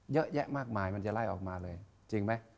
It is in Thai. เยอะแยะมากมายมันจะไล่ออกมาเลยจริงไหม